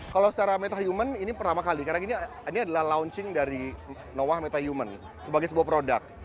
kalau secara metahuman ini pertama kali karena ini adalah launching dari noah metahuman sebagai sebuah produk